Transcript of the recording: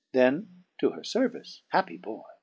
Then to her fervice (happy Boy